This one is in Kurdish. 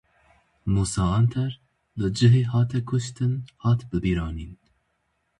Mûsa Anter li cihê hate kuştin hat bibîranîn.